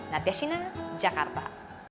nadia shina jakarta